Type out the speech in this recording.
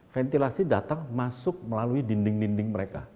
ventilasi datang masuk melalui dinding dinding mereka